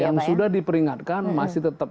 yang sudah diperingatkan masih tetap